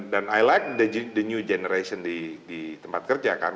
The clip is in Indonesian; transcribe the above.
i like the new generation di tempat kerja kan